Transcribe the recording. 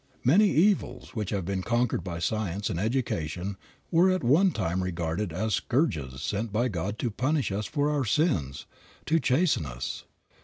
Many evils which have been conquered by science and education were at one time regarded as scourges sent by God to punish us for our sins, to chasten us.